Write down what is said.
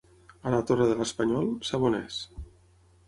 A la Torre de l'Espanyol, saboners.